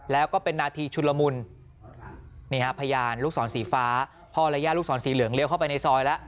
แล้วก็เป็นนาทีชุนละมุนนี่ฮะพยานลูกศรสีฟ้าพ่อและย่าลูกศรสีเหลืองเลี้ยเข้าไปในซอยแล้ว